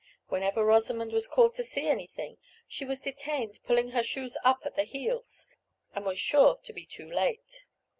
Whenever Rosamond was called to see anything, she was detained pulling her shoes up at the heels, and was sure to be too late.